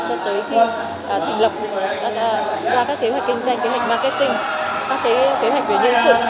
cho tới khi ông thành lập qua các kế hoạch kinh doanh kế hoạch marketing các kế hoạch về nhân sự